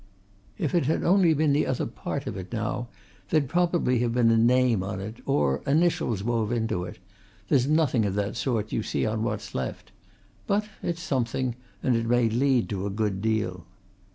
If it had only been the other part of it, now, there'd probably have been a name on it, or initials wove into it: there's nothing of that sort, you see, on what's left. But it's something, and it may lead to a good deal."